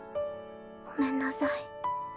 ごめんなさい